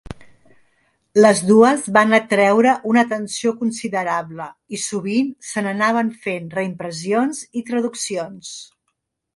Les dues van atreure una atenció considerable i sovint se n'anaven fent reimpressions i traduccions.